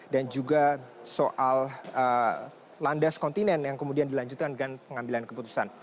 dan juga soal landas kontinen yang kemudian dilanjutkan dengan pengambilan keputusan